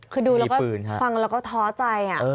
คือดูแล้วก็ท้อใจ